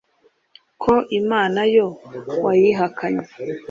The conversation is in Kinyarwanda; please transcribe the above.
Ko Imana yo wayihakanye